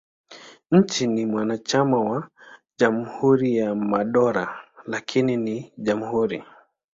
Nchi ni mwanachama wa Jumuiya ya Madola, lakini ni jamhuri.